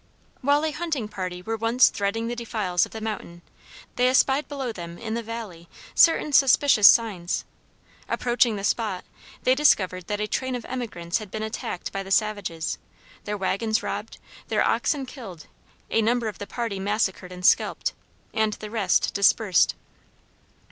While a hunting party were once threading the defiles of the mountain, they espied below them in the valley certain suspicious signs. Approaching the spot, they discovered that a train of emigrants had been attacked by the savages, their wagons robbed, their oxen killed, a number of the party massacred and scalped, and the rest dispersed.